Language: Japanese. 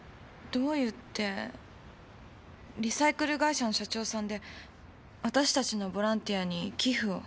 どういうってリサイクル会社の社長さんで私たちのボランティアに寄付を。